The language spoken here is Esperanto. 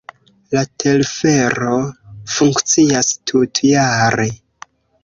La telfero funkcias tutjare.